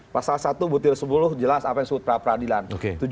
pasal satu butir sepuluh jelas apa yang sebut pra peradilan